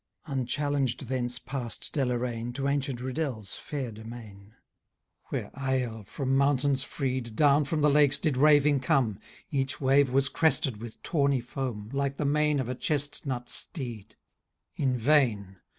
Unchallenged, thence passM Deloraine, To ancient Riddel's fair domain,^ Where Aill, from mountains freed, Down from the lakes did raving come ; Each wave was crested with tawny foam. Like the main of a chestnut steed. In vain